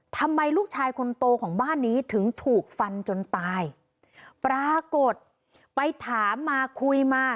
ทำไมลูกชายคนโตของบ้านนี้ถึงถูกฟันจนตายปรากฏไปถามมาคุยมา